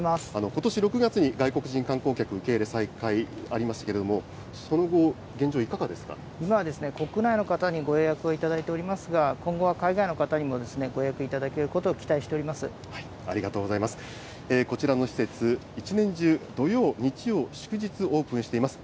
ことし６月に外国人観光客受け入れ再開ありますけれども、そ今は国内の方にご予約をいただいておりますが、今後は海外の方にもご予約いただけることを期ありがとうございます。こちらの施設、一年中、土曜、日曜、祝日、オープンしております。